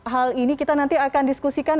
hal ini kita nanti akan diskusikan